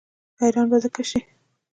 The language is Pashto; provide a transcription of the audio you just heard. حیران به ځکه شي.